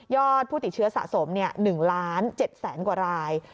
ยอดผู้ติดเชื้อสะสมเนี่ย๑๗๐๐๐๐๐กว่าราย